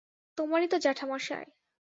তোমারই তো জেঠামশায়!